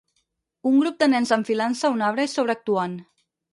Un grup de nens enfilant-se a un arbre i sobreactuant.